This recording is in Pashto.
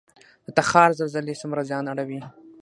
د تخار زلزلې څومره زیان اړوي؟